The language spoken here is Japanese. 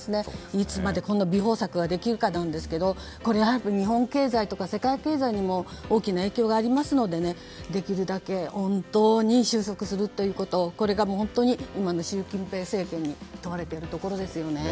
いつまで弥縫策ができるかなんですが日本経済とか世界経済にも大きな影響がありますのでできるだけ本当に収束するということをこれが本当に今の習近平政権に問われているところですよね。